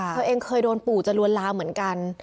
เธอเองเคยโดนปู่จะลวนลามเหมือนกัน